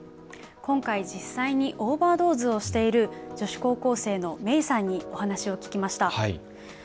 今回、実際にオーバードーズをしている女子高校生のメイさんにお話を聞きました。